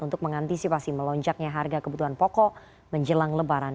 untuk mengantisipasi melonjaknya harga kebutuhan pokok menjelang lebaran